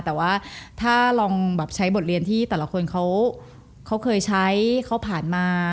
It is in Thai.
แต่ว่าถ้าลองแบบใช้บทเรียนที่แต่ละคนเขาเคยใช้เขาผ่านมา